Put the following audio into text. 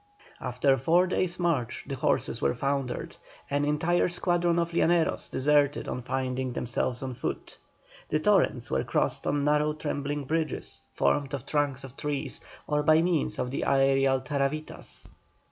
After four days' march the horses were foundered; an entire squadron of Llaneros deserted on finding themselves on foot. The torrents were crossed on narrow trembling bridges, formed of trunks of trees, or by means of the aerial "taravitas."